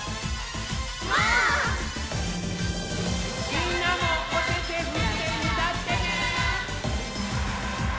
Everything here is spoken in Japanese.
みんなもおててふってうたってね！